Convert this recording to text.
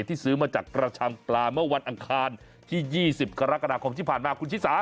ซื้อมาจากกระชังปลาเมื่อวันอังคารที่๒๐กรกฎาคมที่ผ่านมาคุณชิสา